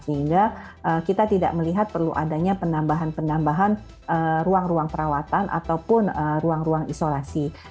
sehingga kita tidak melihat perlu adanya penambahan penambahan ruang ruang perawatan ataupun ruang ruang isolasi